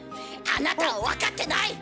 あなたは分かってない！